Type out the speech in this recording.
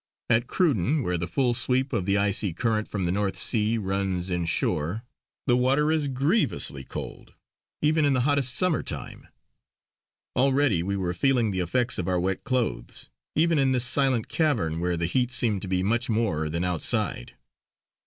At Cruden where the full sweep of the icy current from the North Sea runs in shore, the water is grievously cold, even in the hottest summer time. Already we were feeling the effects of our wet clothes, even in this silent cavern where the heat seemed to be much more than outside.